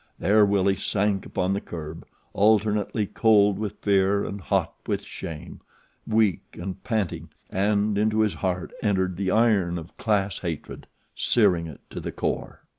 There Willie sank upon the curb alternately cold with fear and hot with shame, weak and panting, and into his heart entered the iron of class hatred, searing it to the core.